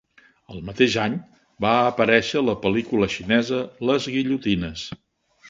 El mateix any, va aparèixer a la pel·lícula xinesa "Les Guillotines".